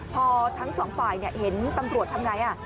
พอทั้งสองฝ่ายเห็นตำรวจทำไง